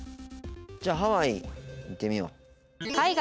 じゃあハワイいってみよう海外